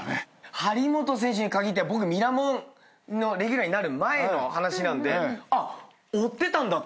張本選手に限っては僕『ミラモン』のレギュラーになる前の話なんであっ追ってたんだって。